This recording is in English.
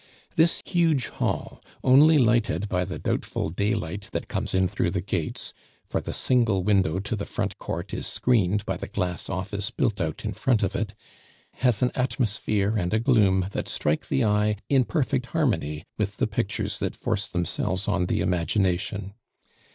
This large hall, only lighted by the doubtful daylight that comes in through the gates for the single window to the front court is screened by the glass office built out in front of it has an atmosphere and a gloom that strike the eye in perfect harmony with the pictures that force themselves on the imagination.